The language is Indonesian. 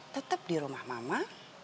tetap di rumah mama